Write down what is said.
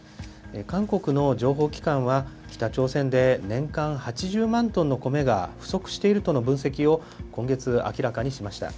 韓国の情報機関は、北朝鮮で年間８０万トンの米が不足しているとの分析を、今月明らかにしました。